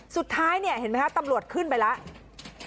สุดท้ายเนี่ยเห็นไหมครับตำรวจขึ้นไปแล้ว